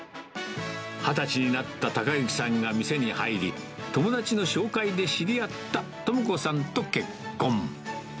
２０歳になった孝之さんが店に入り、友達の紹介で知り合った知子さんと結婚。